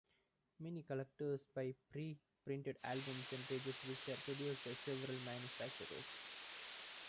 Many collectors buy preprinted albums and pages, which are produced by several manufacturers.